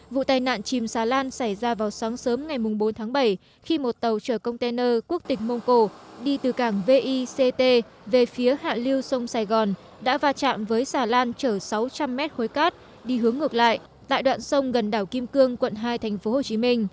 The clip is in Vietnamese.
vụ tai nạn chìm xà lan xảy ra vào sáng sớm ngày bốn tháng bảy khi một tàu chở container quốc tịch mông cổ đi từ cảng vict về phía hạ lưu sông sài gòn đã va chạm với xà lan chở sáu trăm linh mét khối cát đi hướng ngược lại tại đoạn sông gần đảo kim cương quận hai tp hcm